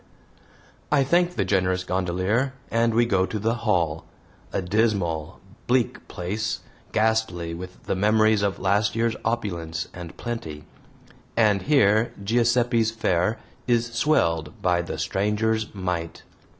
I thank the generous gondolier, and we go to the Hall a dismal, bleak place, ghastly with the memories of last year's opulence and plenty, and here Giuseppe's fare is swelled by the stranger's mite.